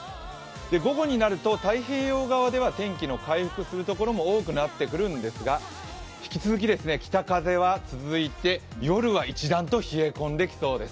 午後になると太平洋側では天気の回復するところも多くなってくるんですが引き続き北風は続いて、夜は一段と冷え込んできそうです。